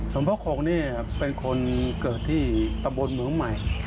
หลุมเผาของเป็นคนเกิดที่ตะบดเมืองใหม่